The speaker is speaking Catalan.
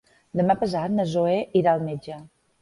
Demà passat na Zoè irà al metge.